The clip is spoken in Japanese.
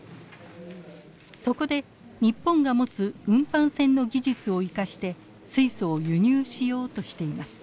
そこで日本が持つ運搬船の技術を生かして水素を輸入しようとしています。